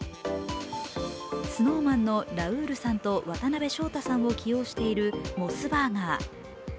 ＳｎｏｗＭａｎのラウールさんと渡辺翔太さんを起用しているモスバーガー。